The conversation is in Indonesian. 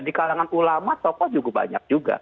di kalangan ulama tokoh juga banyak juga